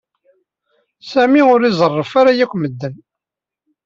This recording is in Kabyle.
Sami ur izerref ara akk medden.